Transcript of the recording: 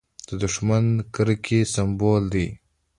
دښمن د کرکې سمبول دی